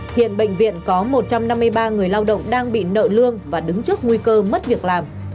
hiện bệnh viện có một trăm năm mươi ba người lao động đang bị nợ lương và đứng trước nguy cơ mất việc làm